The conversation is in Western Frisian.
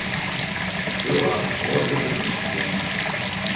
Liuwe hat in soad boeken yn syn keamer.